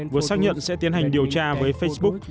vừa xác nhận sẽ tiến hành điều tra với facebook